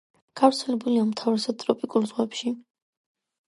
გავრცელებულია უმთავრესად ტროპიკულ ზღვებში.